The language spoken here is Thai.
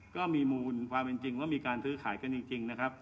ก็มีมูลความจริงว่ามีการซื้อขายกันจริง